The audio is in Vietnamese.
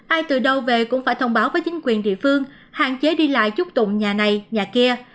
ai từ đâu về cũng phải thông báo với chính quyền địa phương hạn chế đi lại chút tụng nhà này nhà kia